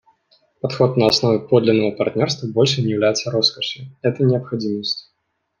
Подход на основе подлинного партнерства больше не является роскошью; это — необходимость.